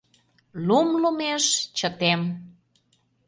Лум лумеш — чытем